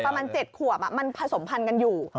ประมาณ๗ขวบมันผสมพันธุ์กันอยู่